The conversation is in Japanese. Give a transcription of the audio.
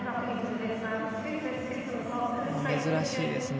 珍しいですね。